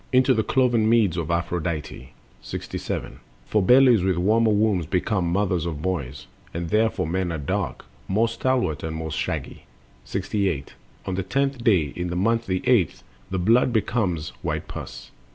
Into the cloven meads of Aphrodite. 67. For bellies with the warmer wombs become Mothers of boys, and therefore men are dark, More stalwart and more shaggy. 68. On the tenth day, in month the eighth, the blood Becomes white pus.